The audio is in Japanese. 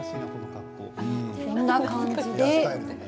こんな感じで。